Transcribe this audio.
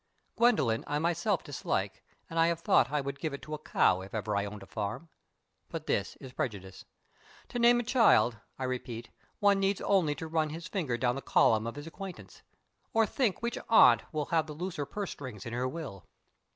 Gwendolyn I myself dislike, and I have thought I would give it to a cow if ever I owned a farm. But this is prejudice. To name a child, I repeat, one needs only to run his finger down the column of his acquaintance, or think which aunt will have the looser purse strings in her will.